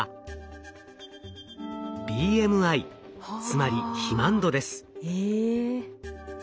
ＢＭＩつまり肥満度です。え。